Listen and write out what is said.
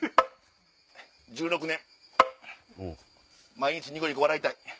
毎日ニコニコ笑いたい。